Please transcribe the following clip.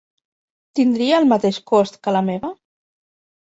Tindria el mateix cost que la meva?